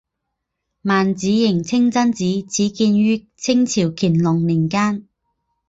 万子营清真寺始建于清朝乾隆年间。